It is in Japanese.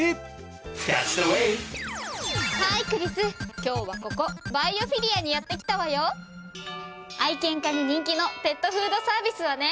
今日はここバイオフィリアにやって来たわよ。愛犬家に人気のペットフードサービスはね。